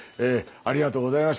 ありがとうございます。